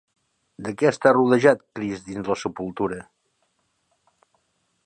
De què està rodejat Crist dins la sepultura?